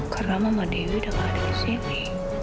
karena mama dewi udah gak ada di sini